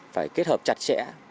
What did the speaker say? phải kết hợp chặt chẽ